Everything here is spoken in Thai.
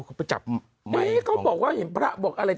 เขาไปจับไม้ของเฮ้ยเขาบอกว่าเห็นพระบอกอะไร